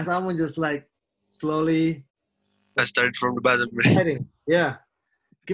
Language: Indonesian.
sekolah kelas seperti di sini kan